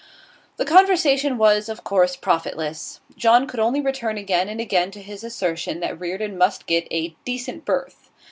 The conversation was, of course, profitless. John could only return again and again to his assertion that Reardon must get 'a decent berth.